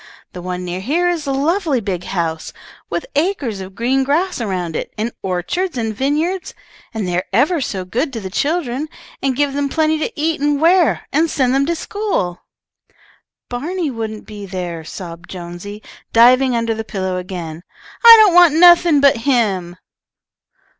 "The one near here is a lovely big house, with acres of green grass around it, and orchards and vine yards, and they are ever so good to the children, and give them plenty to eat and wear, and send them to school." "Barney wouldn't be there," sobbed Jonesy, diving under the pillow again. "I don't want nothing but him."